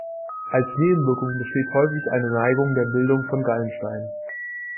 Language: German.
Als Nebenwirkung besteht häufig eine Neigung der Bildung von Gallensteinen.